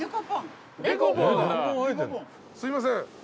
すいません。